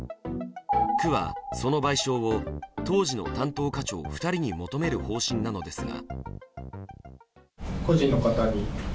区はその賠償を当時の担当課長２人に求める方針なのですが。